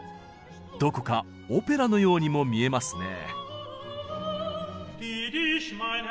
どこかオペラのようにも見えますねぇ。